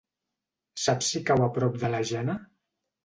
Saps si cau a prop de la Jana?